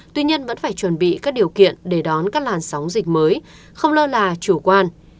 tuy nhiên vẫn phải chuẩn bị các điều kiện để đón các làn sóng dịch mới không lơ là chủ quan